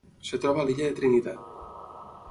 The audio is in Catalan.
Es troba a l'Illa de Trinitat.